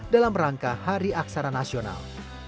dalam rangka hari aksara nasional